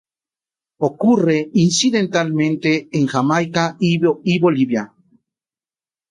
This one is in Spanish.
Ocurre incidentalmente en Jamaica y Bolivia.